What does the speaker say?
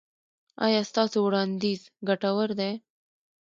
ایا ستاسو وړاندیز ګټور دی؟